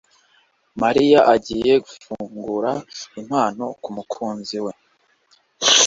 Mariya agiye gufungura impano kumukunzi we.